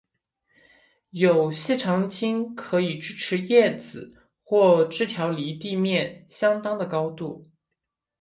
有细长茎可以支持叶子或枝条离地面相当的高度。